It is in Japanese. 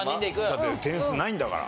だって点数ないんだから。